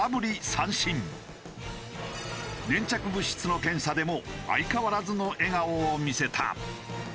粘着物質の検査でも相変わらずの笑顔を見せた。